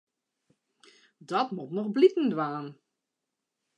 Dat moat noch bliken dwaan.